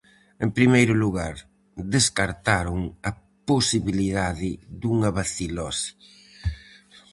En primeiro lugar descartaron a posibilidade dunha bacilose.